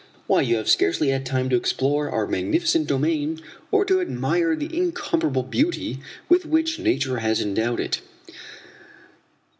Why, you have scarcely had time to explore our magnificent domain, or to admire the incomparable beauty with which nature has endowed it."